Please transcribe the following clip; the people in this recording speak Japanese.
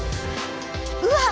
うわ！